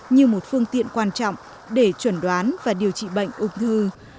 như một phương tiện quan trọng để chuẩn đoán và điều trị bệnh ung thư